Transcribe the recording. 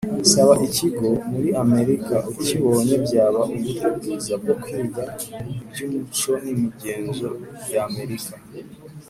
Saba ikigo muri Amerika ukibonye byaba uburyo bwiza bwo kwiga iby’umuco n’imigenzo y’Amerika